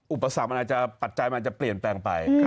อุปสรรคมันอาจจะปัจจัยมันอาจจะเปลี่ยนแปลงไป